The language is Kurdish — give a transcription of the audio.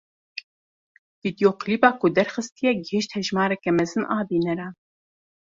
Vîdeoklîba ku derxistiye gihîşt hejmareke mezin a bîneran.